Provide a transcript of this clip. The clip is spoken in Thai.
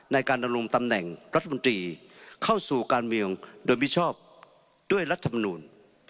ในการดำรงตำแหน่งรัฐมนตรีเข้าสู่การเมืองโดยมิชอบด้วยรัฐมนูล